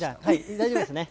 大丈夫ですね。